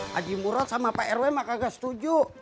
haji murad sama pak rw mah kagak setuju